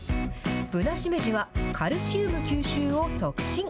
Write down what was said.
ぶなしめじはカルシウム吸収を促進。